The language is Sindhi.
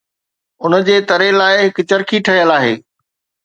ان جي تري لاءِ هڪ چرخي ٺهيل آهي